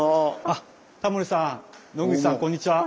あっタモリさん野口さんこんにちは。